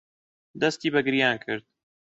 دەستی بە گریان کرد.